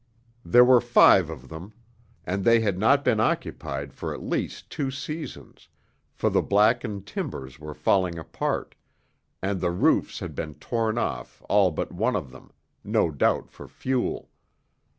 There were five of them, and they had not been occupied for at least two seasons, for the blackened timbers were falling apart, and the roofs had been torn off all but one of them, no doubt for fuel.